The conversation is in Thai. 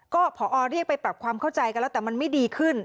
ก็พอเรียกไปปรับความเข้าใจกันแล้วแต่มันไม่ดีขึ้น